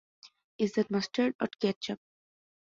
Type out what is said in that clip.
Is that mustard or ketchup?